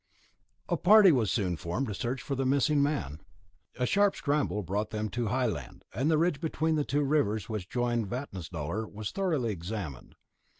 A party was soon formed to search for the missing man. A sharp scramble brought them to high land, and the ridge between the two rivers which join in Vatnsdalr was thoroughly examined.